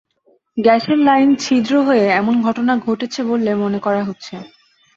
গ্যাসের লাইন ছিদ্র হয়ে এমন ঘটনা ঘটেছে বলে মনে করা হচ্ছে।